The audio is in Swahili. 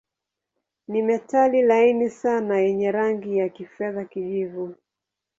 Ni metali laini sana yenye rangi ya kifedha-kijivu.